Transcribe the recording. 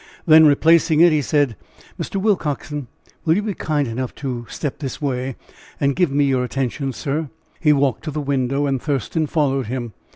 Then replacing it, he said: "Mr. Willcoxen, will you be kind enough to step this way and give me your attention, sir." He walked to the window, and Thurston followed him.